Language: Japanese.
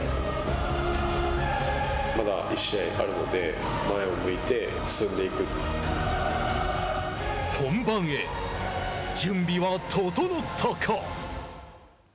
まだ１試合あるので前を向いて本番へ準備は整ったか？